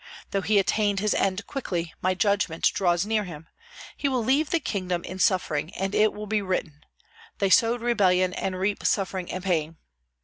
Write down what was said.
Though he attained his end quickly, my judgment draws near him; he will leave the kingdom in suffering and it will be written: They sowed rebellion and reap suffering and pain.